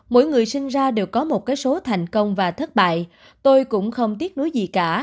mỗi người sinh ra đều có một cái số thành công và thất bại tôi cũng không tiếc nuối gì cả